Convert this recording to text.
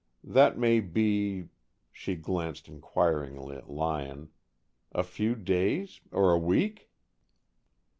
That may be " she glanced inquiringly at Lyon "a few days? Or a week?"